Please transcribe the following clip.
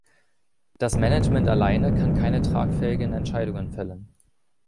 Das Management alleine kann keine tragfähigen Entscheidungen fällen.